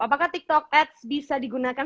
apakah tiktok ads bisa digunakan